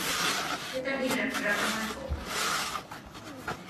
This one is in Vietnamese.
Người ta đi rập rập ngoài phố